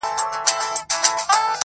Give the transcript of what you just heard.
چي د ويښتانو په سرونو به يې مار وتړی~